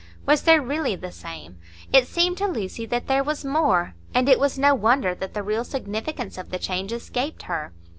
Was there really the same? It seemed to Lucy that there was more; and it was no wonder that the real significance of the change escaped her.